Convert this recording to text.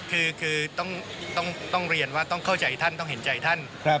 คือต้องเรียนว่าต้องเข้าใจท่านต้องเห็นใจท่าน